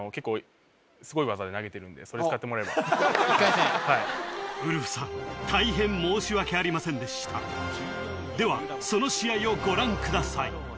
それ使ってもらえば１回戦ウルフさん大変申し訳ありませんでしたではその試合をご覧ください